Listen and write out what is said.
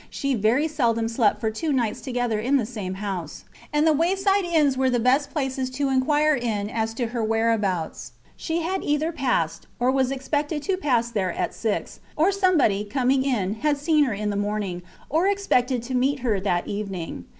She very seldom slept for two nights together in the same house; and the wayside inns were the best places to inquire in as to her whereabouts. She had either passed, or was expected to pass there at six; or somebody, coming in, had seen her in the morning, or expected to meet her that evening.